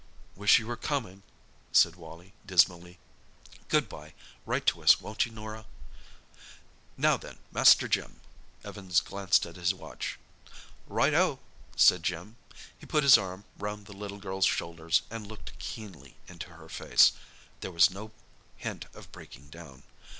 "Wish you were coming!" said Wally dismally. "Good bye. Write to us, won't you, Norah?" "Now then, Master Jim!" Evans glanced at his watch. "Right oh!" said Jim. He put his arm round the little girl's shoulders and looked keenly into her face. There was no hint of breaking down.